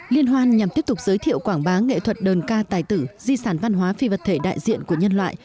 liên hoan nhằm tiếp tục giới thiệu quảng bá nghệ thuật đơn ca tài tử di sản văn hóa phi vật thể đại diện của nhân loại